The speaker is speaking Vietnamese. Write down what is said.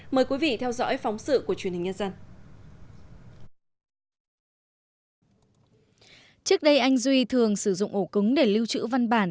mời quý vị theo dõi phóng sự của truyền hình nhân dân